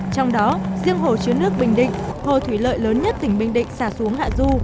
trong đó riêng hồ chứa nước bình định hồ thủy lợi lớn nhất tỉnh bình định xả xuống hạ du